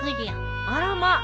あらまっ。